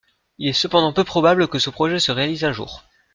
Il est cependant peu probable que ce projet se réalise un jour.